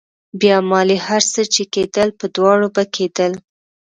بيا مالې هر څه چې کېدل په دواړو به کېدل.